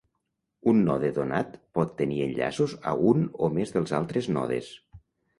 Un node donat pot tenir enllaços a un o més dels altres nodes.